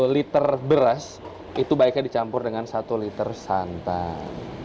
satu liter beras itu baiknya dicampur dengan satu liter santan